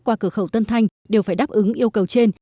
qua cửa khẩu tân thanh đều phải đáp ứng yêu cầu trên